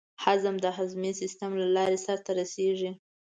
هضم د هضمي سیستم له لارې سر ته رسېږي.